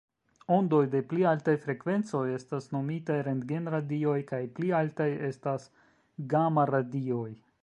Ondoj de pli altaj frekvencoj estas nomitaj rentgen-radioj kaj pli altaj estas gama-radioj.